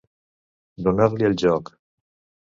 Donar-li el joc.